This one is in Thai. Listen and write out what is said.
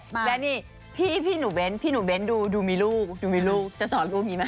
แล้วนี่พี่หนูเบ้นดูมีลูกดูมีลูกจะสอนลูกมีมั้ย